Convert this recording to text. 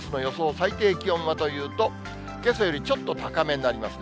最低気温はというと、けさよりちょっと高めになりますね。